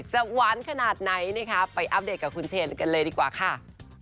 หวานขนาดไหนนะคะไปอัปเดตกับคุณเชนกันเลยดีกว่าค่ะ